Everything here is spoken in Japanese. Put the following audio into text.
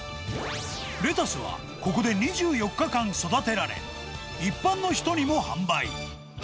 レタスは、ここで２４日間育てられ、一般の人にも販売。